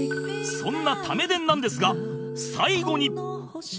そんなタメ伝なんですが最後に